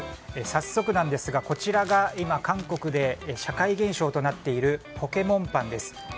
早速なんですがこちらが今、韓国で社会現象となっているポケモンパンです。